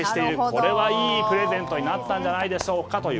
これはいいプレゼントになったんじゃないでしょうか。